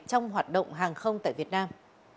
trong hoạt động hàng không tại việt nam